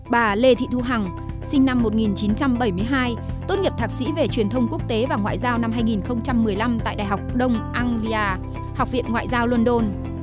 bà lê thị thu hằng sinh năm một nghìn chín trăm bảy mươi hai tốt nghiệp thạc sĩ về truyền thông quốc tế và ngoại giao năm hai nghìn một mươi năm tại đại học đông anglia học viện ngoại giao london